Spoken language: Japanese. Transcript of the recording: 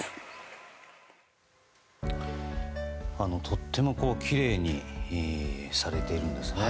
とてもきれいにされているんですね。